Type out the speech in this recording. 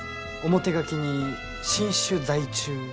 表書きに「新種在中」と。